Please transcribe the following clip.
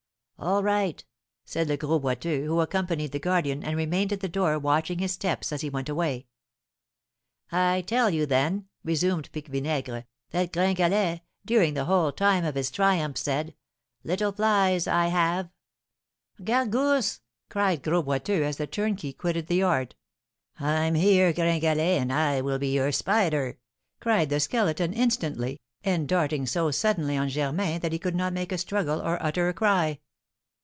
"All right," said Le Gros Boiteux, who accompanied the guardian, and remained at the door watching his steps as he went away. "I tell you, then," resumed Pique Vinaigre, "that Gringalet, during the whole time of his triumph, said, 'Little flies, I have '" "Gargousse!" cried Gros Boiteux, as the turnkey quitted the yard. "I'm here, Gringalet, and I will be your spider!" cried the Skeleton, instantly, and darting so suddenly on Germain that he could not make a struggle or utter a cry.